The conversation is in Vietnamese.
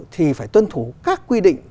thì phải tuân thủ các quy định